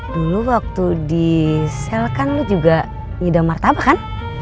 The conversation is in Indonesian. dulu waktu disel kan lu juga ngidam martabak kan